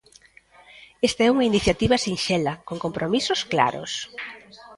Esta é unha iniciativa sinxela, con compromisos claros.